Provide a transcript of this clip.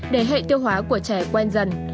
để hệ tiêu hóa của trẻ quen dần